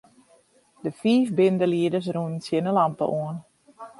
De fiif bindelieders rûnen tsjin 'e lampe oan.